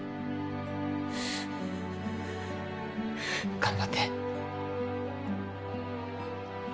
頑張って。